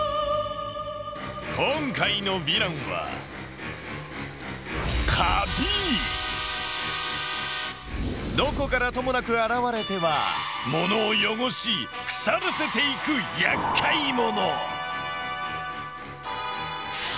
今回のヴィランはどこからともなく現れてはものを汚し腐らせていくやっかいもの。